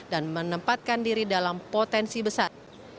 dan menempatkan diri dalam potensi besar